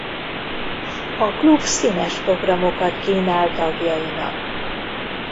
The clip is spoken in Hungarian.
A klub színes programokat kínál tagjainak.